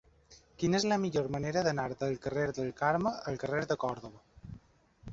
Quina és la millor manera d'anar del carrer del Carme al carrer de Còrdova?